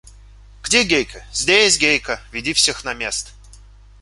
Где Гейка? – Здесь Гейка! – Веди всех на место.